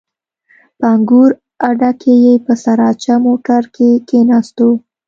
په انګور اډه کښې په سراچه موټر کښې کښېناستو.